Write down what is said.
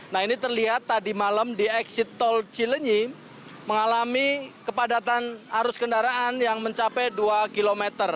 nah ini terlihat tadi malam di eksit tol cilenyi mengalami kepadatan arus kendaraan yang mencapai dua km